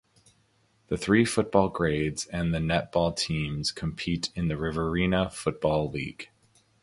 The three football grades and the netball teams compete in the Riverina Football League.